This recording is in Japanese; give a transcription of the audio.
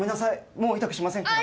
もう痛くしませんから。